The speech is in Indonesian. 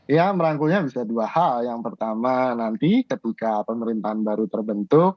ya merangkulnya bisa dua hal yang pertama nanti ketika pemerintahan baru terbentuk